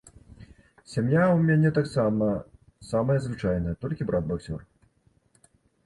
Сям'я ў мяне таксама самая звычайная, толькі брат баксёр.